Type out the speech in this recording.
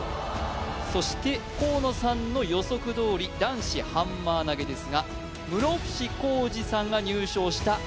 そして河野さんの予測どおり男子ハンマー投ですが室伏広治さんが入賞した